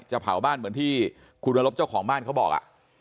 จะเผาบ้านเหมือนที่คุณวรบเจ้าของบ้านเขาบอก